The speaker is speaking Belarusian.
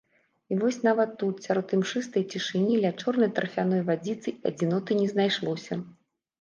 І вось нават тут, сярод імшыстай цішыні, ля чорнай тарфяной вадзіцы, адзіноты не знайшлося.